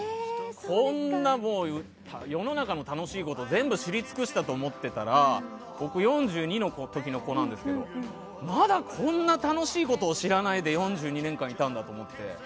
こんな世の中の楽しいこと全部知り尽くしたと思っていたら僕４２の時の子なんですがまだこんな楽しいことを知らないで４２年間いたんだと思って。